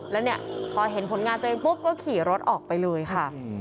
แล้วเนี่ยพอเห็นผลงานตัวเองปุ๊บก็ขี่รถออกไปเลยค่ะ